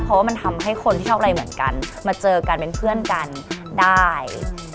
เพราะว่ามันทำให้คนที่ชอบอะไรเหมือนกันมาเจอกันเป็นเพื่อนกันได้